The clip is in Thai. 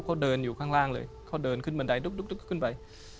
เขาเดินอยู่ข้างล่างเลยเขาเดินขึ้นบันไดดุ๊กขึ้นไป